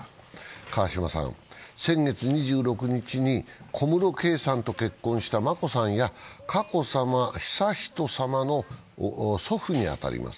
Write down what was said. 川嶋さん、先月２９日に小室圭さんと結婚した眞子さんや佳子さま、悠仁さまの祖父に当たります。